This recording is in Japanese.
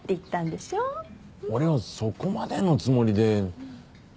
俺はそこまでのつもりで。